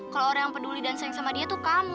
kalau orang yang peduli dan sayang sama dia tuh kamu